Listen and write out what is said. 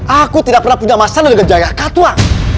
aku tidak pernah punya masalah dengan jaya katua